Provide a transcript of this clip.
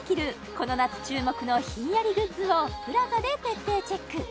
この夏注目のひんやりグッズをＰＬＡＺＡで徹底チェック！